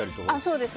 そうです。